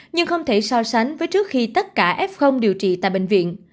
nhưng không thể so sánh với trước khi tất cả f điều trị tại bệnh viện